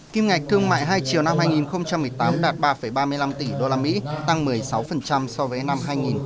kim ngạch thương mại hai triệu năm hai nghìn một mươi tám đạt ba ba mươi năm tỷ usd tăng một mươi sáu so với năm hai nghìn một mươi bảy